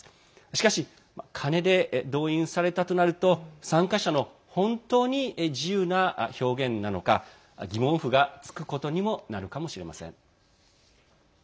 しかし、金で動員されたとなると参加者の本当に自由な表現なのか疑問符がつくことにもなるかもしれません。